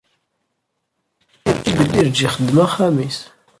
Ibellireǧ ixeddem axxam-is.